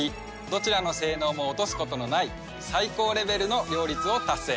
どちらの性能も落とすことのない最高レベルの両立を達成。